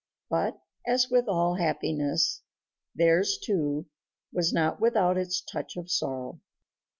But, as with all happiness, theirs, too, was not without its touch of sorrow.